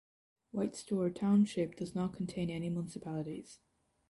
White Store Township does not contain any municipalities.